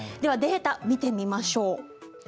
データを見てみましょう。